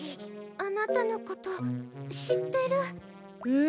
あなたのこと知ってる。え！？